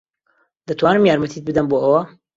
دەتوانم یارمەتیت بدەم بۆ ئەوە؟